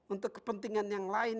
untuk kepentingan yang lain